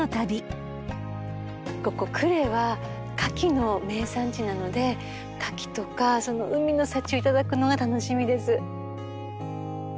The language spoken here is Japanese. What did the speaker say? ここ呉は牡蠣の名産地なので牡蠣とか海の幸をいただくのが楽しみです。